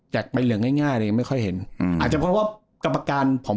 แจกไปเหลืองง่ายง่ายเลยไม่ค่อยเห็นอืมอาจจะเพราะว่ากรรประการของ